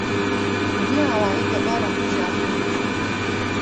Bi vî awayî debara xwe ji axê distîne.